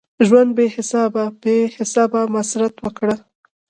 ژونده بی حسابه ؛ بی حسابه مسرت ورکړه